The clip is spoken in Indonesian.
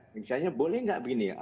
misalnya boleh gak begini